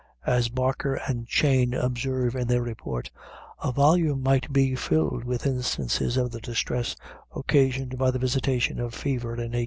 As Barker and Cheyne observe in their report, 'a volume might be filled with instances of the distress occasioned by the visitation of fever in 1817.'"